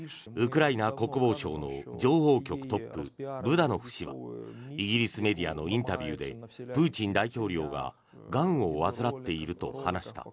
１３日、ウクライナ国防省の情報局トップ、ブダノフ氏はイギリスメディアのインタビューでプーチン大統領ががんを患っていると話した。